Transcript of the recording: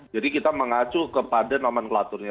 jadi kita mengacu kepada nomenklaturnya